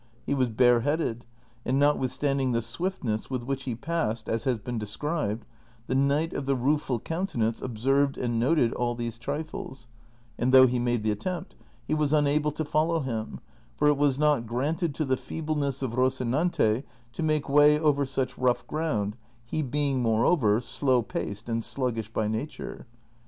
He was bareheaded, and notwithstanding the swiftness with which he passed as has been described, the Knight of the Rueful Countenance observed and noted all these trifles, and though he made the attempt, he was unable to follow him, for it was not granted to the feebleness of Rocinante to make way over such rough ground, he being, moreover, slow paced and sluggish by nature.